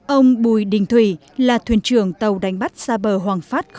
ông bùi đình thủy là thuyền trưởng tàu đánh bắt xa bờ hoàng phát